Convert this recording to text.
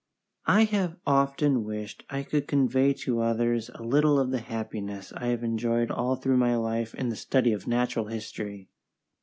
I have often wished I could convey to others a little of the happiness I have enjoyed all through my life in the study of Natural History.